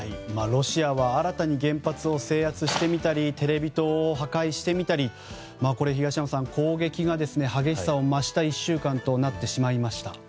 ロシアは新たに原発を制圧してみたりテレビ塔を破壊してみたり東山さん、攻撃が激しさを増した１週間となってしまいました。